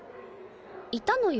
いたのよ